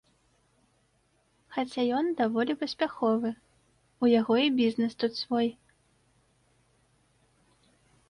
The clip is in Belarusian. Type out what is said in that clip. Хаця ён даволі паспяховы, у яго і бізнэс тут свой.